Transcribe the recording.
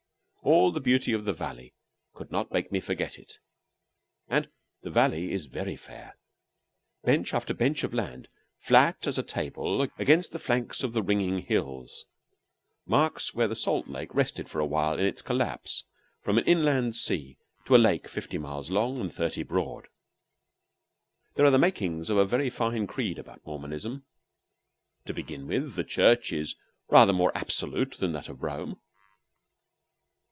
All the beauty of the valley could not make me forget it. And the valley is very fair. Bench after bench of land, flat as a table against the flanks of the ringing hills, marks where the Salt Lake rested for awhile in its collapse from an inland sea to a lake fifty miles long and thirty broad. There are the makings of a very fine creed about Mormonism. To begin with, the Church is rather more absolute than that of Rome.